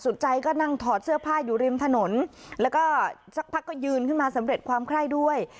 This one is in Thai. ใจก็นั่งถอดเสื้อผ้าอยู่ริมถนนแล้วก็สักพักก็ยืนขึ้นมาสำเร็จความไคร้ด้วย